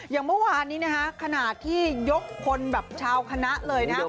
อย่างเมื่อวานนี้นะฮะขนาดที่ยกคนแบบชาวคณะเลยนะครับ